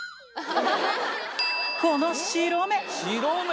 この白目。